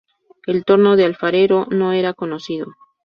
El torno de alfarero no era conocido.